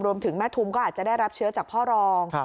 แม่ทุมก็อาจจะได้รับเชื้อจากพ่อรอง